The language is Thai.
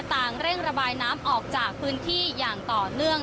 ต่างเร่งระบายน้ำออกจากพื้นที่อย่างต่อเนื่อง